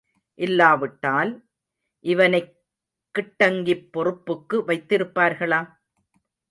இல்லாவிட்டால் இவனைக் கிட்டங்கிப் பொறுப்புக்கு வைத்திருப்பார்களா?